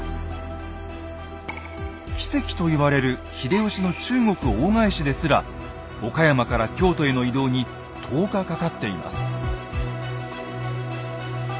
奇跡と言われる秀吉の中国大返しですら岡山から京都への移動に１０日かかっています。